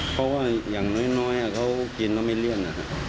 เพราะว่าอย่างน้อยเขากินแล้วไม่เลื่อน